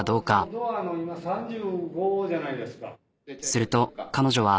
すると彼女は。